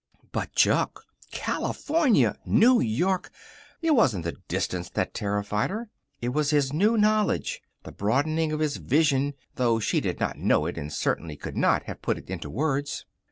But Chuck! California! New York! It wasn't the distance that terrified her. It was his new knowledge, the broadening of his vision, though she did not know it and certainly could not have put it into words.